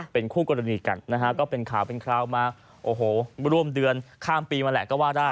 เป็นคู่กรณีกันนะครับก็เป็นข่าวมาร่วมเดือนข้ามปีมาแหละก็ว่าได้